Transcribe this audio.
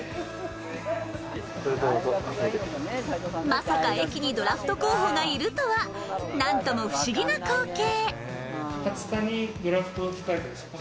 まさか駅にドラフト候補がいるとは、なんとも不思議な光景。